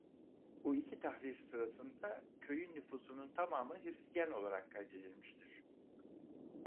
Bu iki tahrir sırasında köyün nüfusunun tamamı Hristiyan olarak kaydedilmiştir.